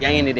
yang ini deh